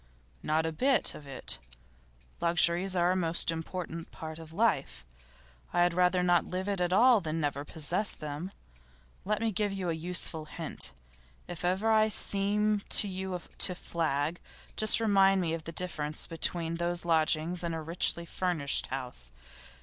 'Not a bit of it. Luxuries are a most important part of life. I had rather not live at all than never possess them. Let me give you a useful hint; if ever I seem to you to flag, just remind me of the difference between these lodgings and a richly furnished house.